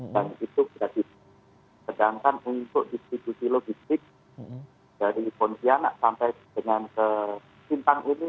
dan itu sudah diperdampan untuk distribusi logistik dari pontianak sampai dengan ke simpang ini